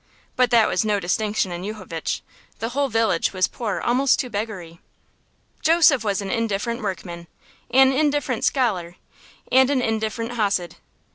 But that was no distinction in Yuchovitch; the whole village was poor almost to beggary. Joseph was an indifferent workman, an indifferent scholar, and an indifferent hasid.